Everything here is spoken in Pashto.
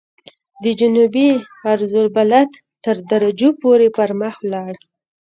د جنوبي عرض البلد تر درجو پورې پرمخ ولاړ.